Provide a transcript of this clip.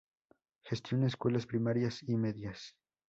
Gestiona escuelas primarias y medias.